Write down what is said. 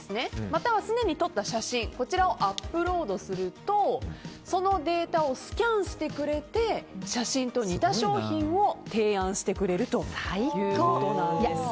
またはすでに撮った写真をアップロードするとそのデータをスキャンしてくれて写真と似た商品を提案してくれるということなんです。